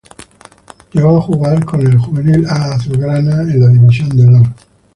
Llegó a jugar con el Juvenil A azulgrana en la División de Honor.